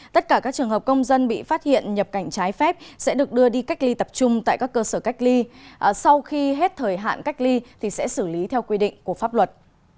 tất cả các trường hợp công dân bị phát hiện nhập cảnh trái phép sẽ được đưa đi cách ly tập trung tại các cơ sở cách ly sau khi hết thời hạn cách ly thì sẽ xử lý theo quy định của pháp luật